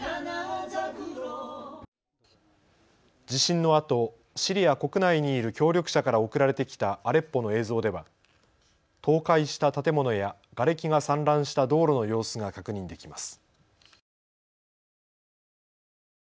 地震のあとシリア国内にいる協力者から送られてきたアレッポの映像では倒壊した建物やがれきが散乱した道路の様子が確認できます。